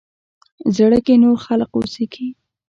زړه کښې نور خلق اوسيږي